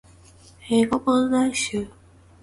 英語問題集